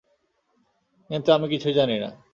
কিন্তু আমি কিছুই জানি না!